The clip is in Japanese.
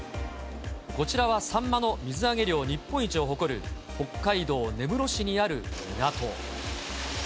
こちらは、サンマの水揚げ量日本一を誇る、北海道根室市にある港。